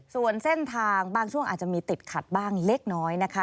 ส่วนเส้นทางบางช่วงอาจจะมีติดขัดบ้างเล็กน้อยนะคะ